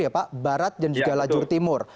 ya pak barat dan juga lajur timur